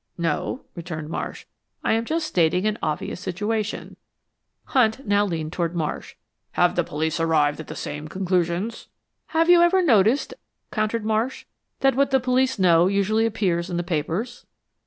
"No," returned Marsh, "I am just stating an obvious situation." Hunt now leaned toward Marsh. "Have the police arrived at the same conclusions?" "Have you ever noticed," countered Marsh, "that what the police know usually appears in the papers?"